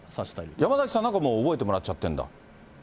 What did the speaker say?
山崎さんなんかもう覚えてもらっちゃてるんだ。